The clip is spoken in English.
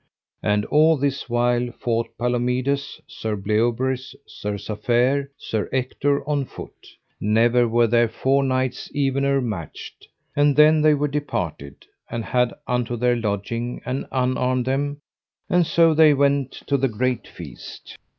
And all this while fought Palomides, Sir Bleoberis, Sir Safere, Sir Ector on foot; never were there four knights evener matched. And then they were departed, and had unto their lodging, and unarmed them, and so they went to the great feast.